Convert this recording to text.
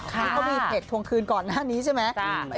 ที่เขามีเพจทวงคืนก่อนหน้านี้ใช่ไหม